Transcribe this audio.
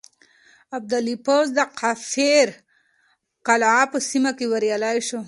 ابدالي پوځ د کافر قلعه په سيمه کې بريالی شو.